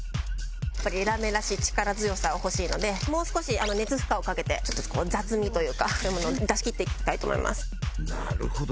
ラーメンらしい力強さをほしいのでもう少し熱負荷をかけてちょっと雑味というかそういうものを出し切っていきたいと思いますなるほど！